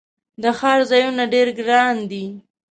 د ښار ځایونه ډیر ګراندي